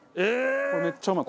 これめっちゃうまい。